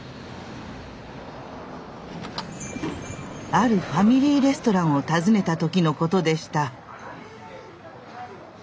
あるファミリーレストランを訪ねた時のことでした。